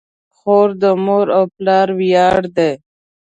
خور د مور او پلار ویاړ ده.